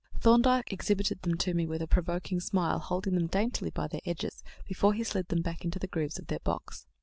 Thorndyke exhibited them to me with a provoking smile, holding them daintily by their edges, before he slid them back into the grooves of their box.